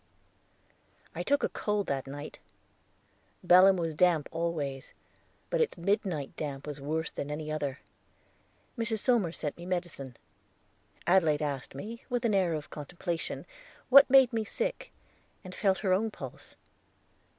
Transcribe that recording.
I took a cold that night. Belem was damp always, but its midnight damp was worse than any other. Mrs. Somers sent me medicine. Adelaide asked me, with an air of contemplation, what made me sick, and felt her own pulse.